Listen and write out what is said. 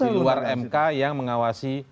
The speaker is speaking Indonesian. di luar mk yang mengawasi